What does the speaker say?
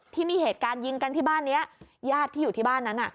ที่มีเหตุการณ์ยิงกันที่บ้านนี้ญาติที่อยู่ที่บ้านนั้น